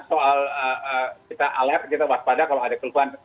soal kita alert kita waspada kalau ada keluhan